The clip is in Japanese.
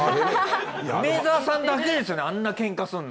梅沢さんだけですよねあんなケンカするの。